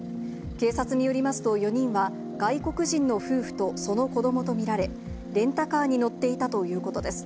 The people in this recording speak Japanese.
警察によりますと、４人は外国人の夫婦とその子どもと見られ、レンタカーに乗っていたということです。